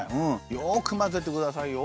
よくまぜてくださいよ。